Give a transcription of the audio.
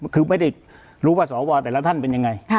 คือไม่ได้รู้ว่าสวแต่ละท่านเป็นยังไง